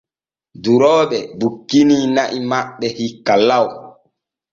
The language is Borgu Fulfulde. Durooɓe bukini na'i maɓɓe hikka law.